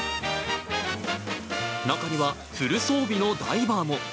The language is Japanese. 中には、フル装備のダイバーも。